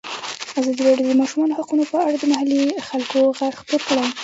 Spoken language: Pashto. ازادي راډیو د د ماشومانو حقونه په اړه د محلي خلکو غږ خپور کړی.